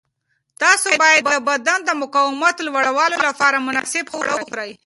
تاسو باید د بدن د مقاومت لوړولو لپاره مناسب خواړه وخورئ.